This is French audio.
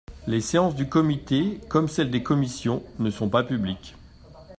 Les séances du Comité comme celles des commissions ne sont pas publiques.